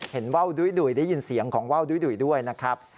ว่าวดุ้ยได้ยินเสียงของว่าวดุ้ยด้วยนะครับ